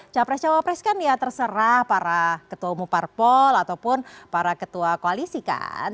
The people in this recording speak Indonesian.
capres cawapres kan ya terserah para ketua umum parpol ataupun para ketua koalisi kan